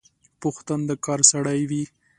پوخ تن د کار سړی وي